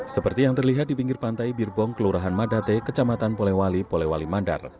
seperti yang terlihat di pinggir pantai birbong kelurahan madate kecamatan polewali polewali mandar